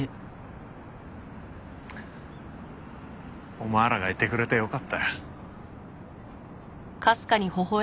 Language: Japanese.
お前らがいてくれてよかった。